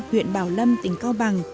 huyện bảo lâm tỉnh cao bằng